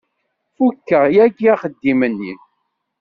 Fukeɣ yagi axeddim-nni.